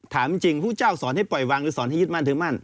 ถามจริงผู้เจ้าสอนให้ปล่อยวางหรือสอนให้ยึดมั่นถือมั่น